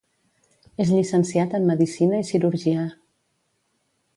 És llicenciat en medicina i cirurgia.